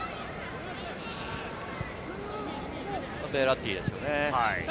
ベッラッティですよね。